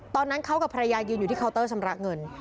ตอนนั้นเขากับภรรยายืนอยู่ที่เคาน์เตอร์ชำระเงิน